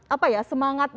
apa ya semangat